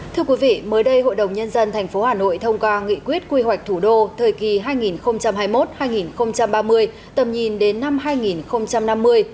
thưa quý vị mới đây hội đồng nhân dân tp hà nội thông qua nghị quyết quy hoạch thủ đô thời kỳ hai nghìn hai mươi một hai nghìn ba mươi tầm nhìn đến năm hai nghìn năm mươi